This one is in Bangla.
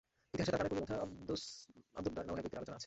ইতিহাসে তার গানের কলির মধ্যে আব্দুদ্দার নামক এক ব্যক্তির আলোচনা আছে।